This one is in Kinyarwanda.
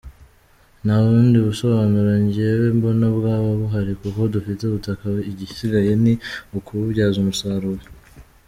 Nta bundi busobanuro njyewe mbona bwaba buhari kuko dufite ubutaka, igisigaye ni ukububyaza umusaruro.